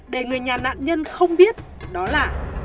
để người nhà nạn nhân không biết đó là